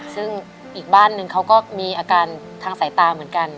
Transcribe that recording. ซึ่งอีกบ้านนึงเขาก็มีอาการทางสายตาเหมือนกัน